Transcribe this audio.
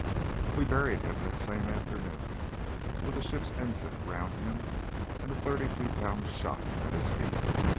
We buried him the same afternoon with the ship's ensign around him, and a thirty two pound shot at his feet.